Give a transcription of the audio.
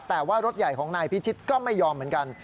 แต่ว่ารถใหญ่ของนายพิชิตก็ไม่ยอมเหมือนกัน